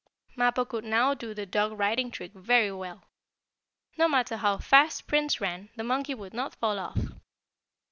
Mappo could now do the dog riding trick very well. No matter how fast Prince ran, the monkey would not fall off.